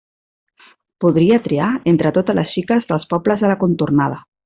Podria triar entre totes les xiques dels pobles de la contornada.